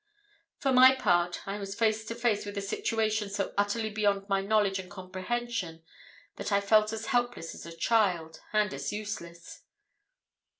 "For my part, I was face to face with a situation so utterly beyond my knowledge and comprehension, that I felt as helpless as a child, and as useless.